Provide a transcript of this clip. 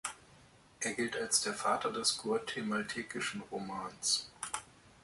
Er gilt als der Vater des guatemaltekischen Romans.